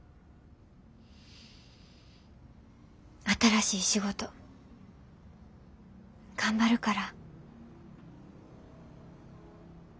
新しい仕事頑張るから。